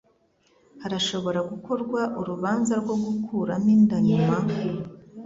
Harashobora gukorwa urubanza rwo gukuramo inda nyuma?